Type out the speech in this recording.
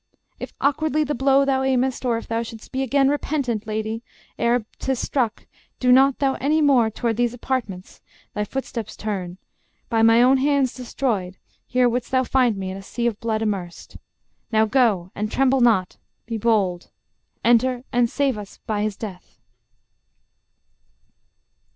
If awkwardly The blow thou aimest, or if thou shouldst be Again repentant, lady, ere 'tis struck, Do not thou any more tow'rd these apartments Thy footsteps turn: by my own hands destroyed, Here wouldst thou find me in a sea of blood Immersed. Now go, and tremble not; be bold. Enter and save us by his death.